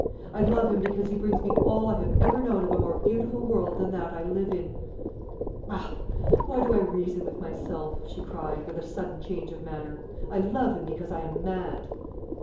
I love him because he brings me all I have ever known of a more beautiful world than that I live in. Bah! why do I reason with myself?" she cried, with a sudden change of manner. "I love him because I am mad."